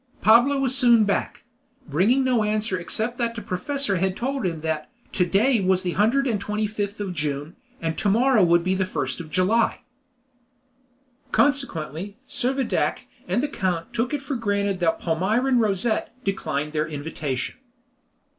Pablo was soon back, bringing no answer except that the professor had told him that "to day was the 125th of June, and that to morrow would be the 1st of July." Consequently, Servadac and the count took it for granted that Palmyrin Rosette declined their invitation.